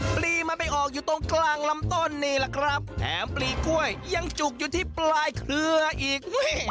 ปลีมันไปออกอยู่ตรงกลางลำต้นนี่แหละครับแถมปลีกล้วยยังจุกอยู่ที่ปลายเครืออีก